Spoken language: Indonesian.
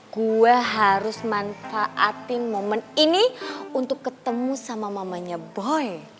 gue harus manfaatin momen ini untuk ketemu sama mamanya boy